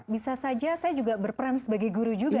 bisa saja saya juga berperan sebagai guru juga